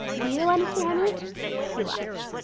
Do you know any, Sir Henry?" He laughed.